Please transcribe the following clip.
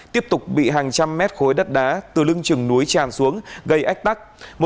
tiếp tục bị hàng trăm mét khối đất đá từ lưng trừng núi tràn xuống gây ách tắc